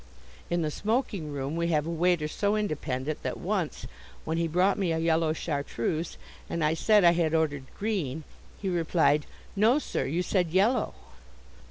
In the smoking room we have a waiter so independent that once, when he brought me a yellow Chartreuse,[239 1] and I said I had ordered green, he replied, "No, sir, you said yellow."